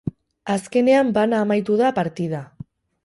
Azkenean bana amaitu da partida.